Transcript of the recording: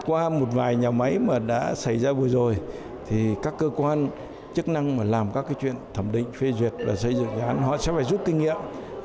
qua một vài nhà máy mà đã xảy ra vừa rồi thì các cơ quan chức năng mà làm các cái chuyện thẩm định phê duyệt và xây dựng dự án họ sẽ phải rút kinh nghiệm